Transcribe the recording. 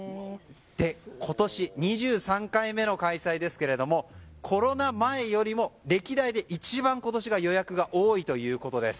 今年、２３回目の開催ですがコロナ前より歴代で一番今年が予約が多いということです。